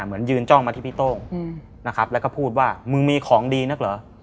เหมือนยืนจ้องมาที่พี่โต้งนะครับแล้วก็พูดว่ามึงมีของดีนักเหรอ